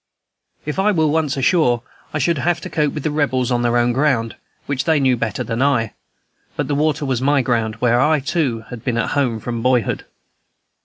If I were once ashore, I should have to cope with the Rebels on their own ground, which they knew better than I; but the water was my ground, where I, too, had been at home from boyhood.